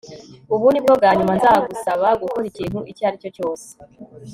ubu ni bwo bwa nyuma nzagusaba gukora ikintu icyo ari cyo cyose